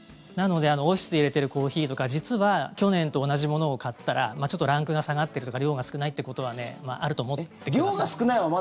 なのでオフィスで入れてるコーヒーとか去年と同じものを買ったらちょっとランクが下がってるとか量が少ないってことはあると思ってください。